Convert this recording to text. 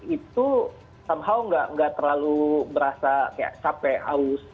itu somehow gak terlalu berasa kayak capek haus